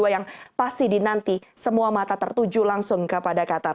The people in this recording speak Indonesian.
yang pasti dinanti semua mata tertuju langsung kepada qatar